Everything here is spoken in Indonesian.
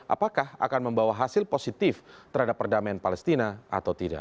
apakah akan membawa hasil positif terhadap perdamaian palestina atau tidak